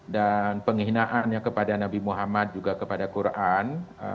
dan penghinaannya kepada nabi muhammad juga kepada quran